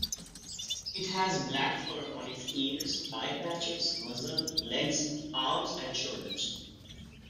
It has black fur on its ears, eye patches, muzzle, legs, arms and shoulders.